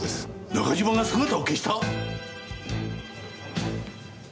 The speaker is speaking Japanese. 中島が姿を消した！？